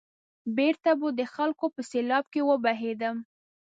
بېرته به د خلکو په سېلاب کې وبهېدم.